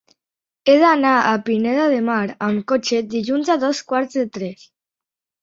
He d'anar a Pineda de Mar amb cotxe dilluns a dos quarts de tres.